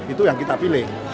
itu yang kita pilih